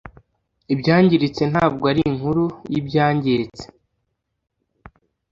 ibyangiritse ntabwo ari inkuru yibyangiritse